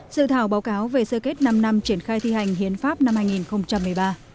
dự thảo báo cáo về sơ kết năm năm triển khai thi hành hiến pháp năm hai nghìn một mươi ba